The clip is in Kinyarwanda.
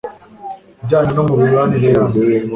bwanyu no mu mibanire yanyu